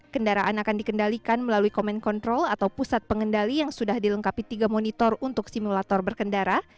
kendaraan akan dikendalikan melalui comment control atau pusat pengendali yang sudah dilengkapi tiga monitor untuk simulator berkendara